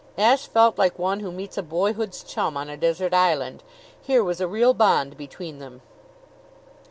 Ashe felt like one who meets a boyhood's chum on a desert island. Here was a real bond between them.